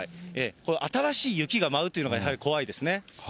この新しい雪が舞うというのがやはり怖いですね。